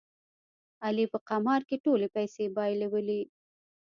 علي په قمار کې ټولې پیسې بایلولې.